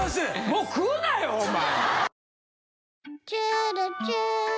もう食うなよお前。